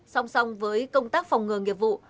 song song với công tác phòng ngừa nghiệp vụ